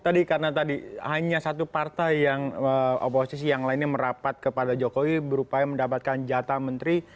tadi karena tadi hanya satu partai yang oposisi yang lainnya merapat kepada jokowi berupaya mendapatkan jatah menteri